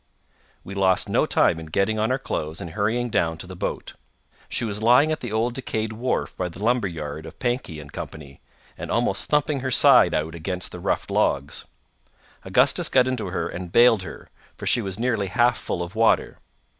We lost no time in getting on our clothes and hurrying down to the boat. She was lying at the old decayed wharf by the lumber yard of Pankey & Co., and almost thumping her side out against the rough logs. Augustus got into her and bailed her, for she was nearly half full of water.